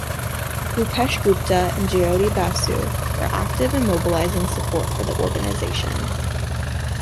Bhupesh Gupta and Jyoti Basu were active in mobilizing support for the organization.